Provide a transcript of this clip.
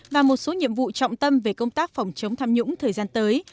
và một số nhiệm vụ trọng tâm về công tác phòng chống tham nhũng thời gian tới